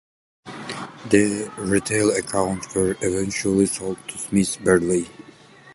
The retail accounts were eventually sold to Smith Barney.